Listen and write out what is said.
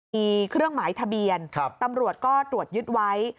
มีเครื่องหมายทะเบียนตำรวจก็ตรวจยึดไว้